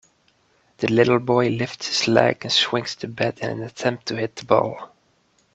The little boy lifts his leg and swings the bat in an attempt to hit the ball.